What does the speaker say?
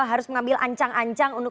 harus mengambil ancang ancang